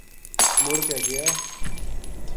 مڑ کے گیا